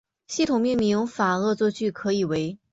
系统命名法恶作剧可以为